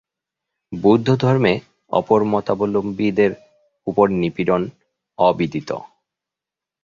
বৌদ্ধধর্মে অপর মতাবলম্বীদের উপর নিপীড়ন অবিদিত।